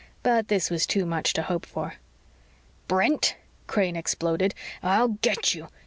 But this was too much to hope for. "Brent," Crane exploded, "I'll get you!